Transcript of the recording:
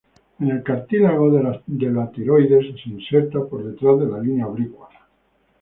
En el cartílago de la tiroides se inserta por detrás de la línea oblicua.